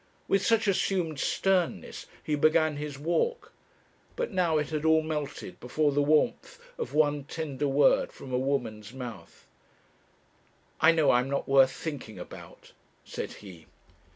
With such assumed sternness he began his walk; but now it had all melted before the warmth of one tender word from a woman's mouth. 'I know I am not worth thinking about,' said he.